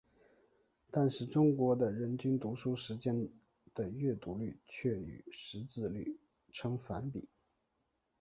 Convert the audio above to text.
但是中国的人均读书时间的阅读率却与识字率呈反比。